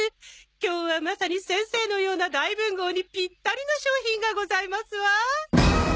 今日はまさに先生のような大文豪にピッタリの商品がございますわ。